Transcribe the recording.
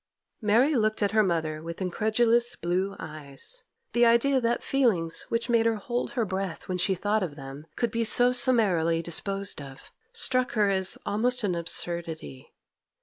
Mary looked at her mother with incredulous blue eyes. The idea that feelings which made her hold her breath when she thought of them could be so summarily disposed of, struck her as almost an absurdity.